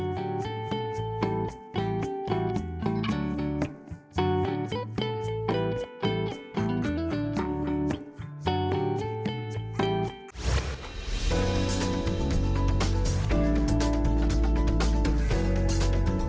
sekarang buat conscience mangrove di awal rada vietnam ya dattara